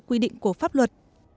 quy định của pháp luật